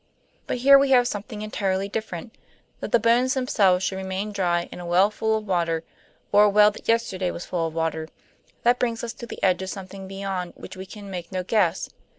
But here we have something entirely different. That the bones themselves should remain dry in a well full of water, or a well that yesterday was full of water that brings us to the edge of something beyond which we can make no guess.